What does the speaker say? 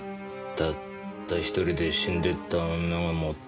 たった１人で死んでった女が持ってた。